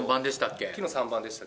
きのう３番でした。